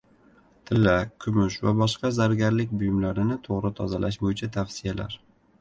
Tilla, kumush va boshqa zargarlik buyumlarini to‘g‘ri tozalash bo‘yicha tavsiyalar